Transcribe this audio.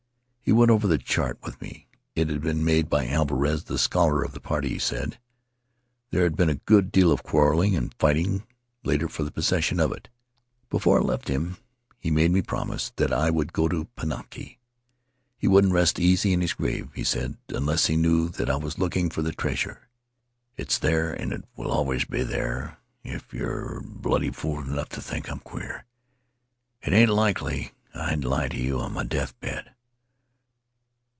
He went over the chart with me. It had been made by Alvarez, the scholar of the party, he said. There had been a good deal of quarreling and fighting later for the possession of it. 'Before I left him he made me promise that I would go to Pinaki. He wouldn't rest easy in his grave, he said, unless he knew that I was looking for the treasure. 'It's there, and it will always be there if you're bloody fool enough to think I'm queer. It ain't likely I'd lie to you on my deathbed.'